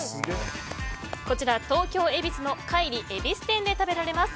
こちら、東京・恵比寿のかいり恵比寿店で食べられます。